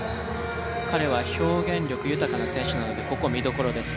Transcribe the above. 彼は表現力豊かな選手なのでここ見どころです。